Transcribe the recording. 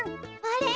あれ？